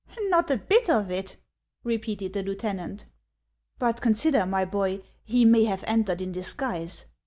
Xot a bit of it," repeated the lieutenant. " But consider, my boy, he may have entered in dis guise.